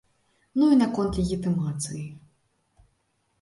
Ну і наконт легітымацыі.